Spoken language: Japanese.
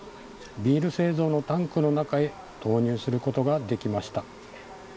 ビール製造のタンクの中へ投入することができました。